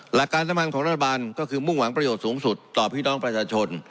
หลักการสำคัญของรัฐบาลก็คือมุ่งหวังประโยชน์สูงสุดต่อพี่น้องประชาชน